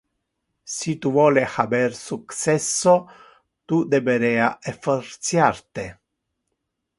Si tu vole haber successo, tu deberea effortiar te.